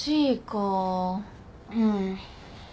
うん。